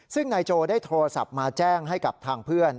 ซึ่งนายโจได้โทรศัพท์มาแจ้งให้กับทางเพื่อน